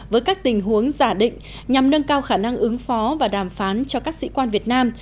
với các tình huống giả định nhằm nâng cao khả năng ứng phó và đàm phán cho các sĩ quan việt nam